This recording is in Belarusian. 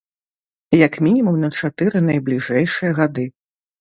Як мінімум на чатыры найбліжэйшыя гады.